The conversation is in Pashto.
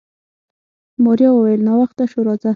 ماريا وويل ناوخته شو راځه.